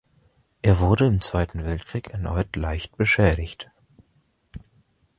Er wurde im Zweiten Weltkrieg erneut leicht beschädigt.